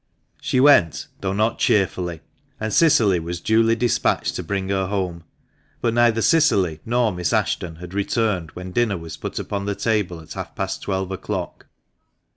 She went, though not cheerfully, and Cicily was duly despatched to bring her home ; but neither Cicily nor Miss Ashton had returned when dinner was put upon the table at half past twelve o'clock.